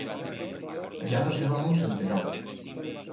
Ya nos hebamos enterau.